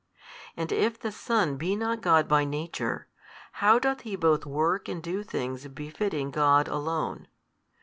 And if the Son be not God by Nature, how doth He both work and do things befitting God Alone?